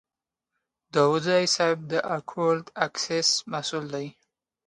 داوودزی صیب د اکول اکسیس مسوول دی.